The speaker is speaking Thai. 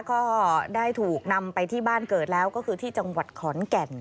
ก็ได้ถูกนำไปที่บ้านเกิดแล้วก็คือที่จังหวัดขอนแก่น